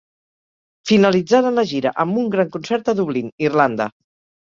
Finalitzaren la gira amb un gran concert a Dublín, Irlanda.